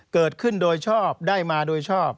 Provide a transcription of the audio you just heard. เกิดขึ้นโดยชอบได้มาโดยชอบ